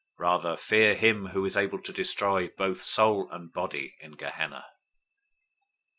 Rather, fear him who is able to destroy both soul and body in Gehenna.{or, Hell.